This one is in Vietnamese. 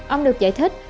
ông được giải thích